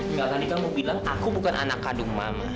enggak tadi kamu bilang aku bukan anak kandung mama